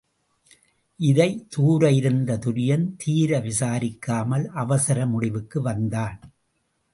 இதைத் தூர இருந்த துரியன் தீர விசாரிக்காமல் அவசர முடிவுக்கு வந்தான்.